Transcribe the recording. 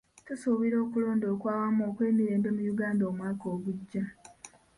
Tusuubira okulonda okw'awamu okw'emirembe mu Uganda omwaka ogujja.